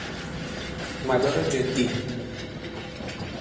مدار جدی